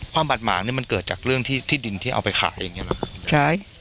ความบาทหมามันเกิดจากเรื่องที่ดูดินเอาไปขายอย่างนี้หรอ